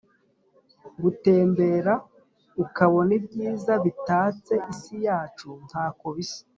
gutembera ukabona ibyiza bitatse isi yacu nta ko bisa